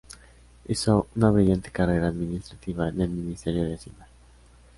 Hizo una brillante carrera administrativa en el ministerio de Hacienda.